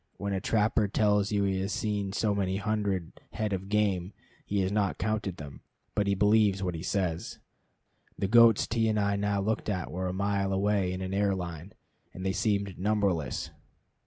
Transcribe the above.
When a trapper tells you he has seen so many hundred head of game, he has not counted them, but he believes what he says. The goats T and I now looked at were a mile away in an air line, and they seemed numberless.